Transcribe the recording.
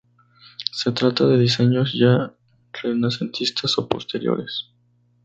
Se trata de diseños ya renacentistas o posteriores.